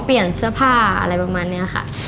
เปลี่ยนเสื้อผ้าอะไรประมาณนี้ค่ะ